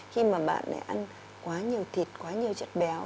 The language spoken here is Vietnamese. khi mà bạn ăn quá nhiều thịt quá nhiều chất béo